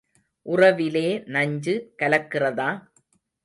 உறவிலே நஞ்சு கலக்கிறதா?